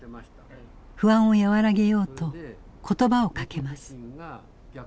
不安を和らげようと言葉をかけます。